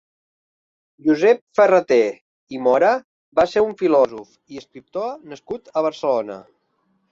Josep Ferrater i Mora va ser un filòsof i escriptor nascut a Barcelona.